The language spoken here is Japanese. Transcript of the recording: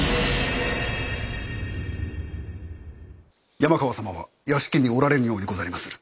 山川様は屋敷におられぬようにござりまする。